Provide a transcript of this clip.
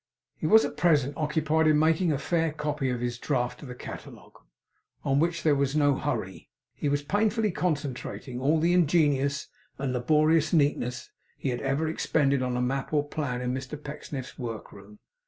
He was at present occupied in making a fair copy of his draught of the catalogue; on which, as there was no hurry, he was painfully concentrating all the ingenious and laborious neatness he had ever expended on map or plan in Mr Pecksniff's workroom.